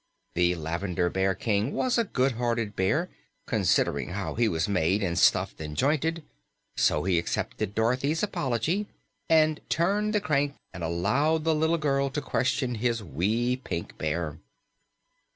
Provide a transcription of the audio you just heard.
The Lavender Bear King was a good natured bear, considering how he was made and stuffed and jointed, so he accepted Dorothy's apology and turned the crank and allowed the little girl to question his wee Pink Bear.